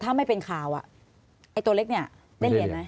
ถ้าไม่เป็นข่าวไอ้ตัวเล็กเนี่ยได้เรียนไหม